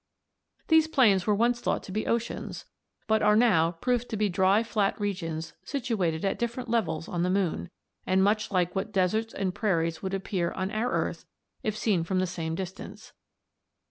"These plains were once thought to be oceans, but are now proved to be dry flat regions situated at different levels on the moon, and much like what deserts and prairies would appear on our earth if seen from the same distance.